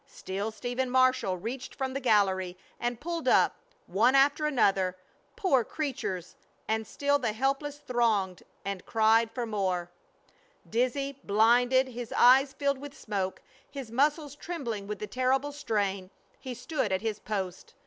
Still Stephen Marshall reached from the gallery and pulled up, one after another, poor creatures, and still the helpless thronged and cried for aid. Dizzy, blinded, his eyes filled with smoke, his muscles trembling with the terrible strain, he stood at his post.